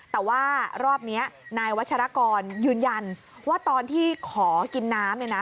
แต่ว่ารอบนี้นายวัชรกรยืนยันว่าตอนที่ขอกินน้ำเนี่ยนะ